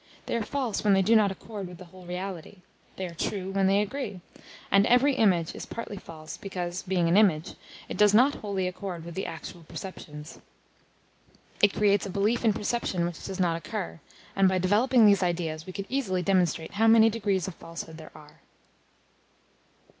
They are false when they do not accord with the whole reality; they are true when they agree; and every image is partly false because, being an image, it does not wholly accord with the actual perceptions. It creates a belief in a perception which does not occur; and by developing these ideas we could easily demonstrate how many degrees of falsehood there are.